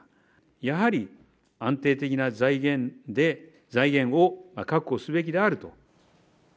やはり安定的な財源で、財源を確保すべきであると。